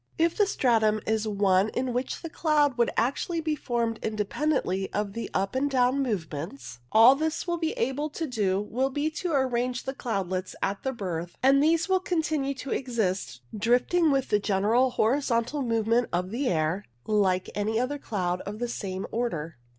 If the stratum is one in which cloud would actually be formed independently of the up and down movements, all this will be able to do WAVE CLOUDS 135 will be to arrange the cloudlets at their birth, and these will then continue to exist, drifting with the general horizontal movement of the air like any other cloud of the same order.